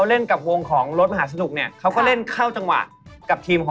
ร่างกายความแข็งแรงครับผม